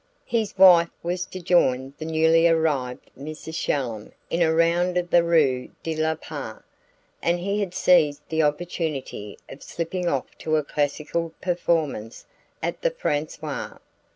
His wife was to join the newly arrived Mrs. Shallum in a round of the rue de la Paix; and he had seized the opportunity of slipping off to a classical performance at the Français.